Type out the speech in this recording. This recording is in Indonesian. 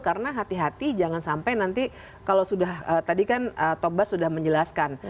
karena hati hati jangan sampai nanti kalau sudah tadi kan toba sudah menjelaskan